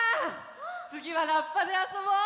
つぎはラッパであそぼう！